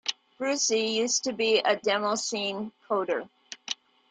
Brussee used to be a demoscene coder.